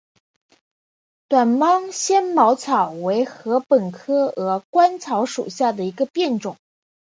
短芒纤毛草为禾本科鹅观草属下的一个变种。